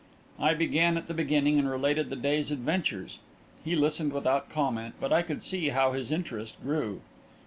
I began at the beginning and related the day's adventures. He listened without comment, but I could see how his interest grew.